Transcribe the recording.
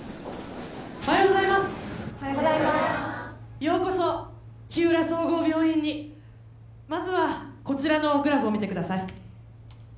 ようこそ日浦総合病院にまずはこちらのグラフを見てください